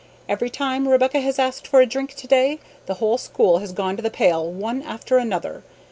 Every time Rebecca has asked for a drink to day the whole school has gone to the pail one after another.